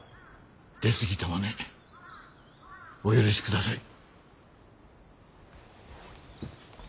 出過ぎたまねお許しください。